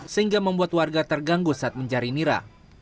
sehingga membuat warga terganggu saat mencari nira